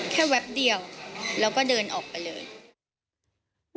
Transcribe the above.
แวบเดียวแล้วก็เดินออกไปเลย